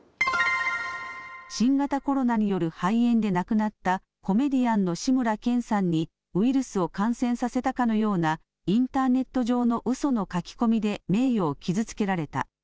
新型コロナによる肺炎で亡くなったコメディアンの志村けんさんにウイルスを感染させたかのようなインターネット上のうその書き込みで名誉を傷つけられた。